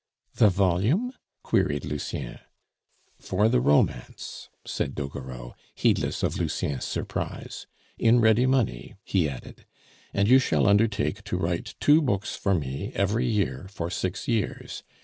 "The volume?" queried Lucien. "For the romance," said Doguereau, heedless of Lucien's surprise. "In ready money," he added; "and you shall undertake to write two books for me every year for six years.